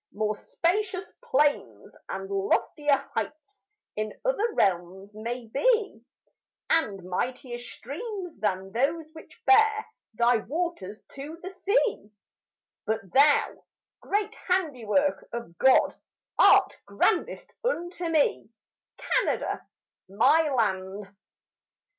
More spacious plains and loftier heights In other realms may be, And mightier streams than those which bear Thy waters to the sea; But thou, great handiwork of God, Art grandest unto me, Canada, my land.